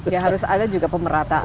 ya harus ada juga pemerataan